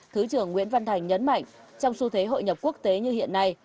thứ trưởng nguyễn văn thành nhấn mạnh trong xu thế hội nhập quốc tế như hiện nay